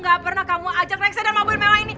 gak pernah kamu ajak reksa dan mobil mewah ini